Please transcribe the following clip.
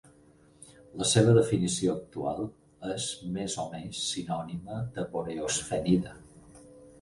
La seva definició actual és més o menys sinònima a "boreosphenida".